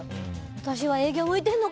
私は営業向いてるのか！